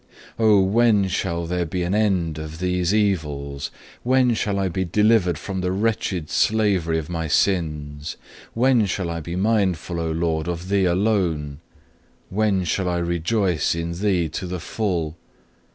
3. Oh when shall there be an end of these evils? When shall I be delivered from the wretched slavery of my sins? When shall I be mindful, O Lord, of Thee alone? When shall I rejoice in Thee to the full?